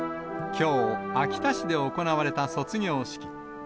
きょう、秋田市で行われた卒業式。